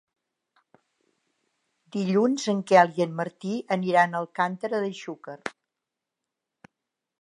Dilluns en Quel i en Martí aniran a Alcàntera de Xúquer.